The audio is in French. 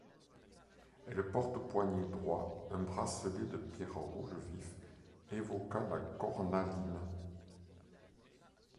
Elle porte au poignet droit un bracelet de pierres rouge vif, évoquant la cornaline.